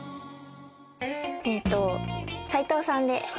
えっと齋藤さんで。